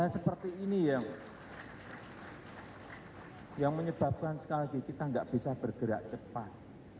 seperti ini yang menyebabkan sekali lagi kita nggak bisa bergerak cepat